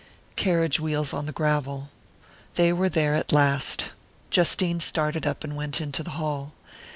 Carriage wheels on the gravel: they were there at last. Justine started up and went into the hall.